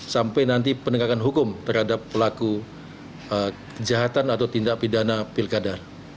sampai nanti penegakan hukum terhadap pelaku kejahatan atau tindak pidana pilkada